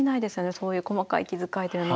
そういう細かい気遣いというのは。